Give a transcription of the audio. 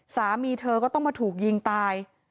สามีเธอก็ต้องมาถูกยิงตาย